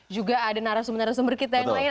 juga ada narasumber narasumber kita yang lain